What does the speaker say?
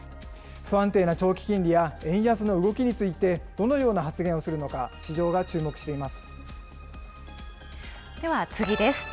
不安定な長期金利や、円安の動きについて、どのような発言をするでは次です。